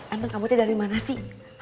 emang kamu tadi dari mana sih